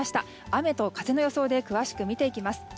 雨と風の予想で詳しく見ていきます。